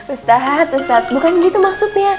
ustadz ustadz bukan gitu maksudnya